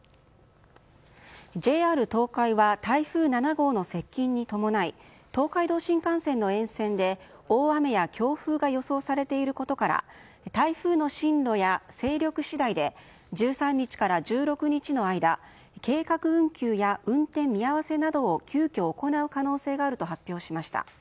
ＪＲ東海は台風７号の接近に伴い東海道新幹線の沿線で大雨や強風が予想されていることから台風の進路や勢力次第で１３日から１６日の間計画運休や運転見合わせなどを急きょ行う可能性があると発表しました。